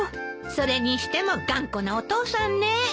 それにしても頑固なお父さんね。